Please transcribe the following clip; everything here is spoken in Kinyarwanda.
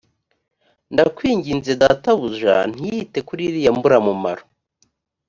ndakwinginze databuja ntiyite kuri iriya mburamumaro